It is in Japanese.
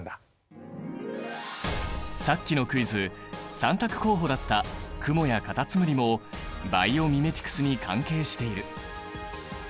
さっきのクイズ３択候補だったクモやカタツムリもバイオミメティクスに関係している。